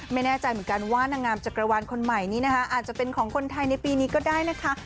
ไม่แน่ใจเหมือนกันว่านางงามจักรวาลคนใหม่นี้นะคะอาจจะเป็นของคนไทยในปีนี้ก็ได้นะคะ